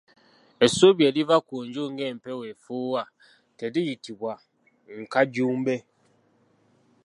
Essubi eriva ku nju ng'empewo efuuwa teriyitibwa nkaajumbe.